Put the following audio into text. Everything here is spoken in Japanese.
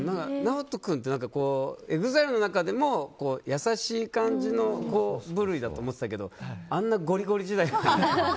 ＮＡＯＴＯ君ってＥＸＩＬＥの中でも優しい感じの部類だと思ってたけどあんなゴリゴリ時代あったんだね。